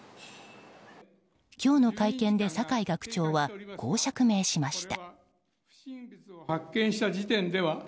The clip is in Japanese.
今日の会見で酒井学長はこう釈明しました。